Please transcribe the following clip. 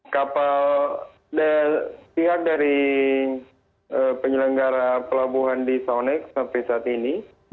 kapal pihak dari penyelenggara pelabuhan di sounek sampai saat ini